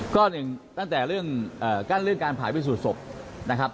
ก็หนึ่งตั้งแต่เรื่องกั้นเรื่องการผ่าพิสูจน์ศพนะครับ